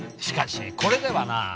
しかしこれではな。